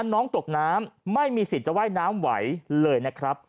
น้องตกน้ำไม่มีสิทธิ์จะว่ายน้ำไหวเลยนะครับ